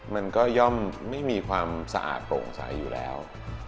มันก็ย่อมไม่มีความสะอาดโปร่งใสอยู่แล้ว